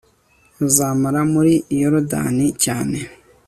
bazamara muri yorudani cyane